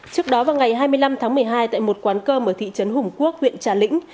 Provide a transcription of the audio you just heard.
trước đó vào ngày hai mươi năm tháng một mươi hai tại một quán cơm ở thị trấn hùng quốc huyện trà lĩnh